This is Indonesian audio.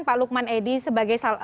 pak lukman edi sebagai